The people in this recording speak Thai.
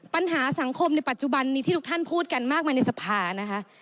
ปัญหาสังคมในปัจจุบันนี้ที่ทุกท่านพูดกันมากมายในสภานะคะ